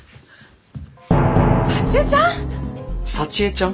幸江ちゃん！？